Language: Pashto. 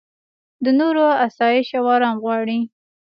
د نورو اسایش او ارام غواړې.